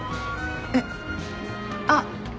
えっあっ。